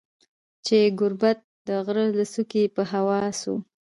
چي ګوربت د غره له څوکي په هوا سو